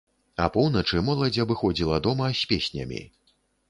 Апоўначы моладзь абыходзіла дома з песнямі.